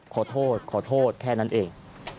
ขอโทษขอโทษแค่นั้นเอง